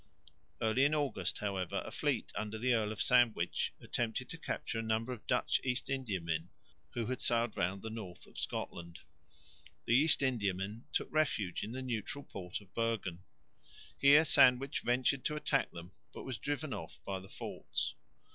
Early in August, however, a fleet under the Earl of Sandwich attempted to capture a number of Dutch East Indiamen, who had sailed round the north of Scotland. The East Indiamen took refuge in the neutral port of Bergen. Here Sandwich ventured to attack them but was driven off by the forts.